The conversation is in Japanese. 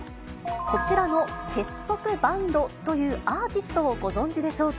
こちらの結束バンドというアーティストをご存じでしょうか。